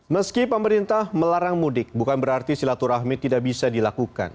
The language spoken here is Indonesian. meski pemerintah melarang mudik bukan berarti silaturahmi tidak bisa dilakukan